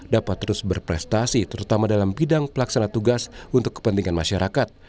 dapat terus berprestasi terutama dalam bidang pelaksana tugas untuk kepentingan masyarakat